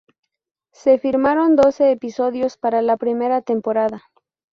Se firmaron doce episodios para la primera temporada.